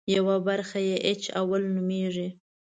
یوه برخه یې اېچ اول نومېږي.